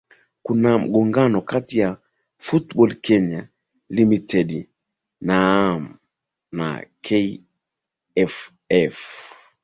kuna mgongano kati ya football kenya limited naam na kff